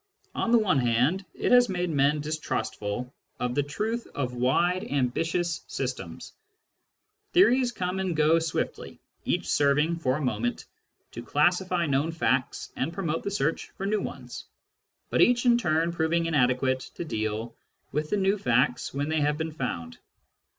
On the one hand, it has made men distrustful of the truth of wide, ambitious systems : theories come and go swiftly, each serving, for a moment, to classify known facts and pro mote the search for new ones, but each in turn proving inadequate to deal with the new facts when they have been found.